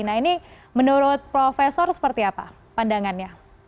nah ini menurut profesor seperti apa pandangannya